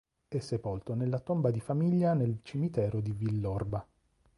È sepolto nella tomba di famiglia nel cimitero di Villorba.